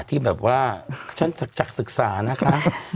ที่แบบว่าฉันจากศึกษานะคะ